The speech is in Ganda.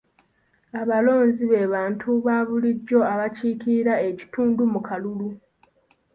Abalonzi be bantu baabulijjo abakiikirira ekitundu mu kalulu.